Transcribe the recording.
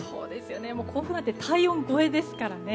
甲府なんて体温超えですからね。